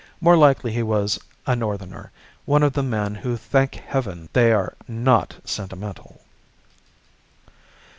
More likely he was a Northerner, one of the men who thank Heaven they are "not sentimental."